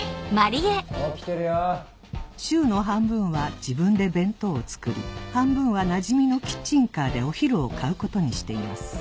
・起きてるよ・週の半分は自分で弁当を作り半分はなじみのキッチンカーでお昼を買うことにしています